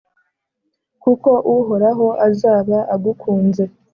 kuko uhoraho azaba agukunze,